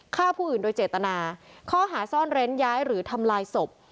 ฆ่าผู้อื่นโดยเจตนาข้อหาซ่อนเร้นย้ายหรือทำลายศพ